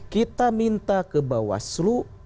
kita minta ke bawaslu